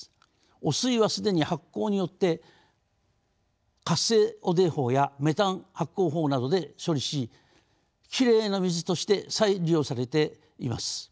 汚水は既に発酵によって活性汚泥法やメタン発酵法などで処理しきれいな水として再利用されています。